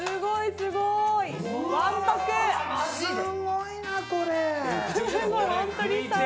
すごいなこれ！